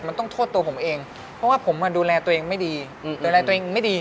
มันต้องโทษตัวผมเองเพราะว่าผมดูแลตัวเองไม่ดี